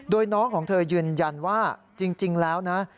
โดยน้องของเธอยืนยันว่าจริงแล้วนะ